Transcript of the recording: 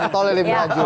tolnya lebih maju